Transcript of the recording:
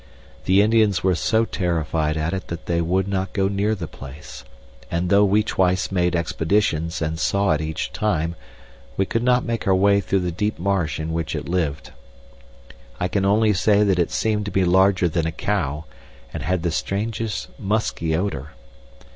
The Indians were so terrified at it that they would not go near the place, and, though we twice made expeditions and saw it each time, we could not make our way through the deep marsh in which it lived. I can only say that it seemed to be larger than a cow and had the strangest musky odor.